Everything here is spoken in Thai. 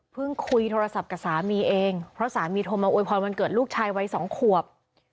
คุยโทรศัพท์กับสามีเองเพราะสามีโทรมาอวยพรวันเกิดลูกชายวัย๒ขวบ